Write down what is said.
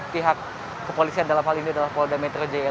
pihak kepolisian dalam hal ini adalah polda metro jaya